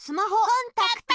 コンタクト！